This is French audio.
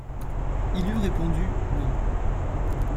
Il eût répondu: Non.